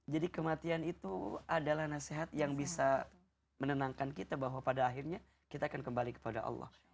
jadi kematian itu adalah nasihat yang bisa menenangkan kita bahwa pada akhirnya kita akan kembali kepada allah